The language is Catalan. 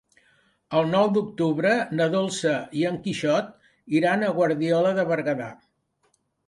El nou d'octubre na Dolça i en Quixot iran a Guardiola de Berguedà.